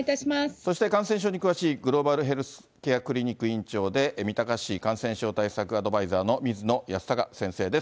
そして感染症に詳しい、グローバルヘルスケアクリニック院長で、三鷹市感染症対策アドバイザーの水野泰孝先生です。